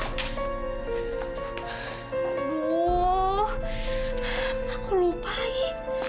aduh aku lupa lagi